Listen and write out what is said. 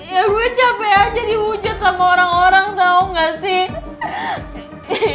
ya gue capek aja diwujud sama orang orang tau gak sih